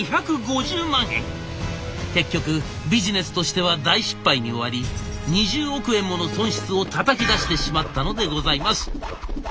結局ビジネスとしては大失敗に終わり２０億円もの損失をたたき出してしまったのでございます。